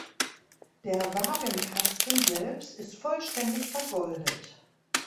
Der Wagenkasten selbst ist vollständig vergoldet.